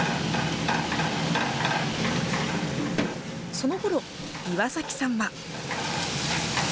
そのころ、岩崎さんは。